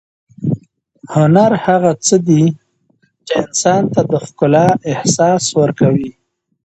هنر هغه څه دئ چي انسان ته د ښکلا احساس ورکوي.